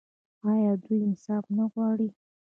آیا او دوی انصاف نه غواړي؟